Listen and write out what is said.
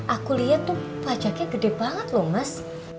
aku lihat tuh pajaknya gede banget loh mas